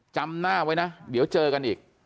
จำหน้าไว้นะเดี๋ยวเจอกันอีก